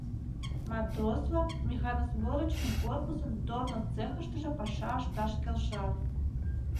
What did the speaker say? Матрос-влак механосборочный корпусын тормоз цехыштыже паша ышташ келшат.